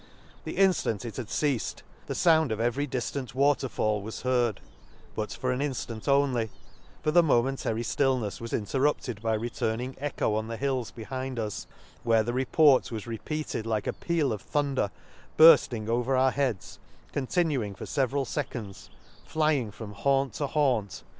— The inftant it had ceafed the found pf every diftant water fall was heard, but for an inftant only ; for the momentary flillnefs was interrupted by returning echo on the hills behind us ; where the report was repeated like a peal of thunder burft ing over our heads, continuing for feve f al feconds, flying from haunt to haunt, till the Lakes.